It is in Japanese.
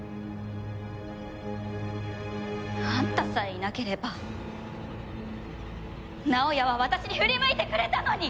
あんたさえいなければ直哉は私に振り向いてくれたのに！